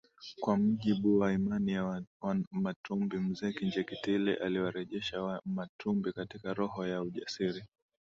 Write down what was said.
Kwa mjibu wa imani ya Wamatumbi mzee Kinjekitile aliwarejesha Wamatumbi katika roho ya ujasiri